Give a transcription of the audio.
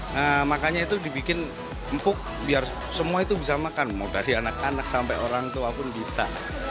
nah makanya itu dibikin empuk biar semua itu bisa makan mau dari anak anak sampai orang tua pun bisa